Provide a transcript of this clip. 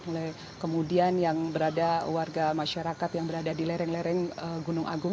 mulai kemudian yang berada warga masyarakat yang berada di lereng lereng gunung agung